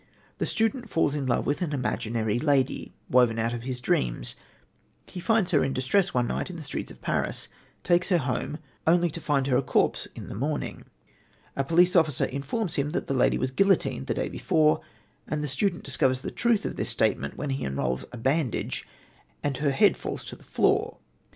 The student falls in love with an imaginary lady, woven out of his dreams. He finds her in distress one night in the streets of Paris, takes her home, only to find her a corpse in the morning. A police officer informs him that the lady was guillotined the day before, and the student discovers the truth of this statement when he unrolls a bandage and her head falls to the floor.